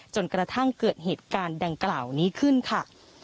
จนกระทั่งเกิดเหตุการณ์ดังกล่าวนี้ขึ้นค่ะ